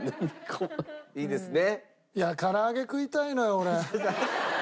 いいですね？